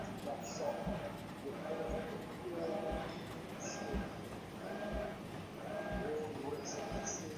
আমাদের চিরকুমার-সভার সঙ্গে তাঁর হৃদয়ের খুব যোগ আছে।